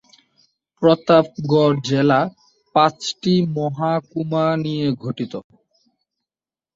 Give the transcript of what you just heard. প্রতাপগড় জেলা পাঁচটি মহকুমা নিয়ে গঠিত।